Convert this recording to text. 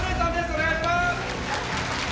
お願いします